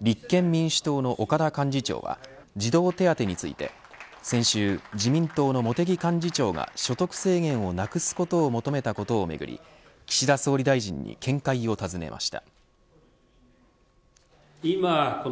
立憲民主党の岡田幹事長は児童手当について先週、自民党の茂木幹事長が所得制限をなくすことを求めたことをめぐり岸田総理大臣に見解を尋ねました。